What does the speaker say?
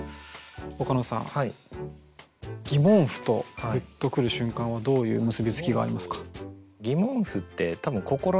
岡野さん「疑問符」と「グッとくる瞬間」はどういう結び付きがありますか？